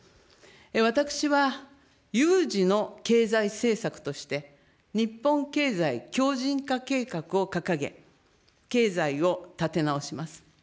私は有事の経済政策として、日本経済強じん化計画を掲げ、経済を立て直します。